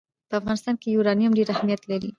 په افغانستان کې یورانیم ډېر اهمیت لري.